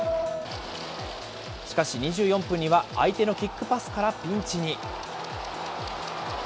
しかし、２４分には相手のキックパスからピンチに。